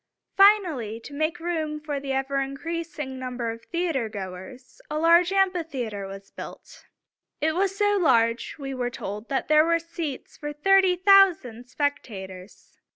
Finally, to make room for the ever increasing number of theater goers, a huge amphitheater was built. It was so large, we are told, that there were seats for thirty thousand spectators.